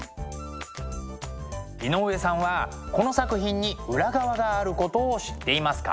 井上さんはこの作品に裏側があることを知っていますか？